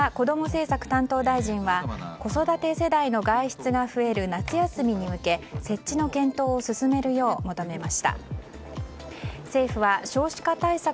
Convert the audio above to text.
政策担当大臣は子育て世代の外出が増える夏休みに向け、設置の検討を進めるよう求めました。